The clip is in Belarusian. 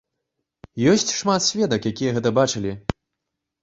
Ёсць шмат сведак, якія гэта бачылі.